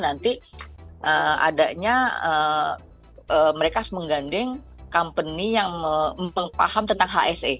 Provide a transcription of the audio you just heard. nanti adanya mereka mengganding company yang mempaham tentang hsa